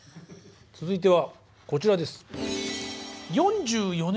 続いてはこちらです。